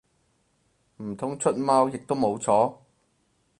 唔通出貓亦都冇錯？